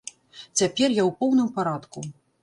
Цяпер я ў поўным парадку.